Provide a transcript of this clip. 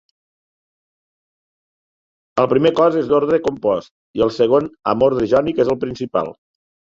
El primer cos és d'ordre compost i el segon amb ordre jònic és el principal.